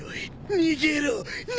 逃げろ！